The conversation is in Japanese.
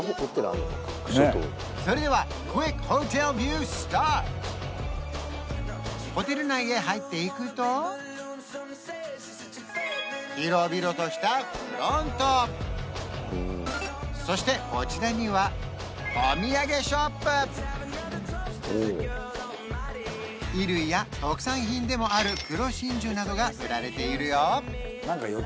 それではホテル内へ入っていくと広々としたフロントそしてこちらには衣類や特産品でもある黒真珠などが売られているよ